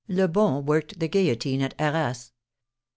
Lebon worked the guillotine at Arras.